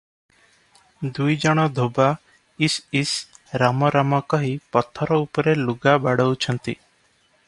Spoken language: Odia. ଦୁଇ ଜଣ ଧୋବା ଇଶ୍ ଇଶ୍, ରାମ ରାମ କହି ପଥର ଉପରେ ଲୁଗା ବାଡ଼ଉଛନ୍ତି ।